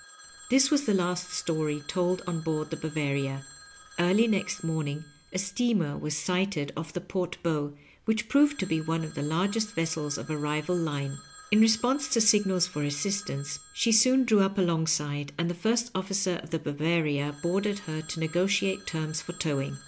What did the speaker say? This was the last story told on board the Baf>aTia. Early next morning a steamer was sighted off the port bow, which proved to be one of the largest vessels of a rival line. In response to signals for assistance she soon drew np alongside, and the first ofQcer of the Bavaria boarded her to negotiate terms for towing.